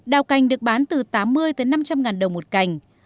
đào cành được bán từ tám mươi tới năm trăm linh ngàn đồng một cành